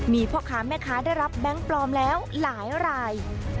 มีพ่อค้าแม่ค้าได้รับแบงค์ปลอมแล้วหลายราย